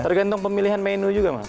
tergantung pemilihan menu juga mas